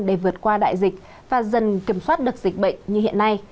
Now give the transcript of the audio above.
để vượt qua đại dịch và dần kiểm soát được dịch bệnh như hiện nay